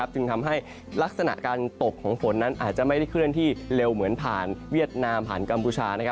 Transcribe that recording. จึงทำให้ลักษณะการตกของฝนนั้นอาจจะไม่ได้เคลื่อนที่เร็วเหมือนผ่านเวียดนามผ่านกัมพูชา